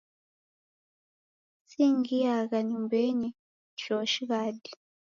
Singhiagha nyumbenyi, choo shighadi.